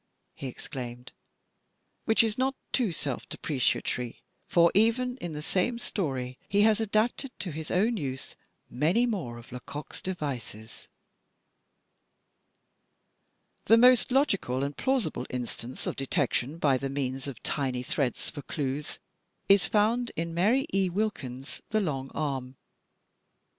he exclaimed, which is not too self depreciatory, for even in the same story he has adapted to his own use many more of Lecoq's devices. The most logical and plausible instance of detection by the means of tiny threads for clues is found in Mary E. Wilkins's "The Long Arm."